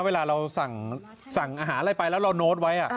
เวลาเราสั่งนานอะไรไปแล้วเราร้องโน้ตไว้